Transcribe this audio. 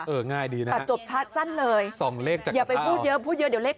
ง่ายดีนะอ่ะจบชัดสั้นเลยส่องเลขจากอย่าไปพูดเยอะพูดเยอะเดี๋ยวเลข